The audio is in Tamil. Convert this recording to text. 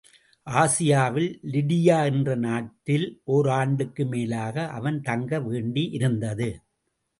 ஆசியாவில் லிடியா என்ற நாட்டில் ஓராண்டுக்கு மேலாக அவன் தங்க வேண்டியிருந்தது.